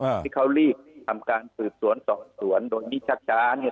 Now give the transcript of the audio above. อ่าที่เขารีบทำการสืบสวนสอบสวนโดยมิชชาเนี่ย